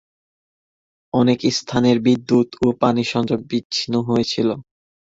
অনেক স্থানের বিদ্যুৎ ও পানি সংযোগ বিচ্ছিন্ন হয়েছিল।